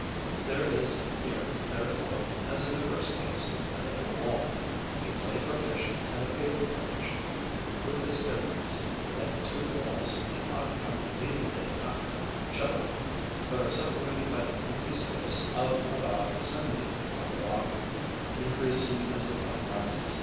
There is here, therefore, as in the first case, a double wall a clay partition and a paper partition with this difference, that the two walls do not come immediately after each other, but are separated by an empty space of about a centimetre at the bottom, increasing as the cone rises.